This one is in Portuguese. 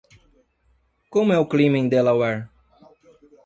Como é o clima em Delaware?